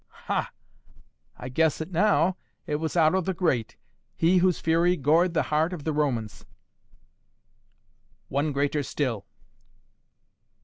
"Ha! I guess it now! It was Otto the Great, he whose fury gored the heart of the Romans." "One greater still."